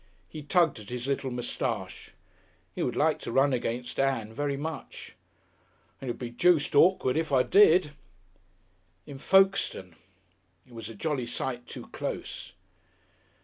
He tugged at his little moustache. He would like to run against Ann very much.... "And it would be juiced awkward if I did!" In Folkestone! It was a jolly sight too close....